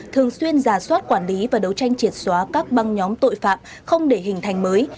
thường xuyên giả soát quản lý và đấu tranh triệt xóa các băng nhóm tội phạm không để hình thành mới